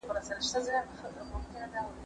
کېدای سي مرسته ناکامه وي،